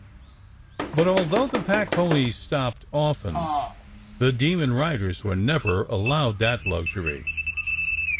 But although the packponies stopped often, the demon riders were never allowed that luxury.